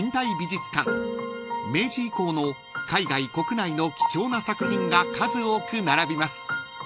［明治以降の海外・国内の貴重な作品が数多く並びます］